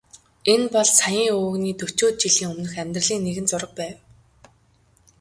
Энэ бол саяын өвгөний дөчөөд жилийн өмнөх амьдралын нэгэн зураг байв.